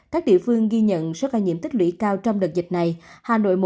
các địa phương ghi nhận số ca nhiễm tăng cao nhất so với ngày trước đó